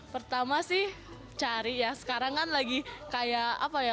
pertama sih cari ya sekarang kan lagi kayak apa ya